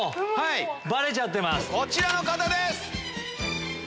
・こちらの方です！